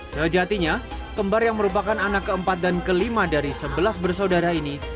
sejatinya kembar yang merupakan anak keempat dan kelima dari sebelas bersaudara ini